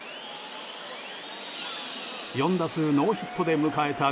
４打数ノーヒットで迎えた